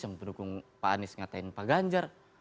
yang pendukung pak anies ngatain pak ganjar